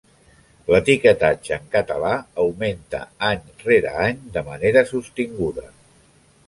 L'etiquetatge en català augmenta any rere any de manera sostinguda.